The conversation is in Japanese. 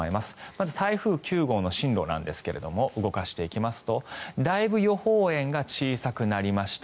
まず台風９号の進路ですが動かしていきますとだいぶ予報円が小さくなりました。